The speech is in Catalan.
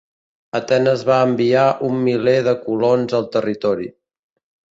Atenes va enviar un milè de colons al territori.